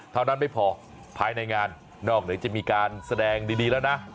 เท่านั้นไม่พอภายในงานนอกเหนือจะมีการแสดงดีแล้วนะ